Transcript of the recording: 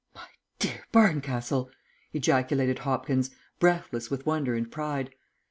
"My dear Barncastle," ejaculated Hopkins, breathless with wonder and pride.